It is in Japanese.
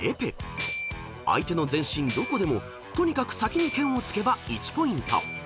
［相手の全身どこでもとにかく先に剣を突けば１ポイント］